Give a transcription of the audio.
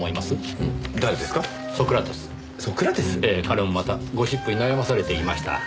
彼もまたゴシップに悩まされていました。